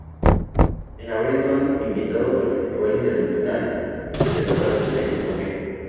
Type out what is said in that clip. En abril son invitados al Festival Internacional de las Artes en Costa Rica.